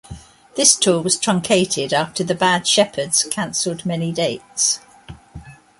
This tour was truncated after the Bad Shepherds cancelled many dates.